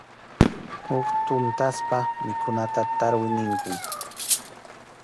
Huk tuntaspa mikhunata tarwi ninkum.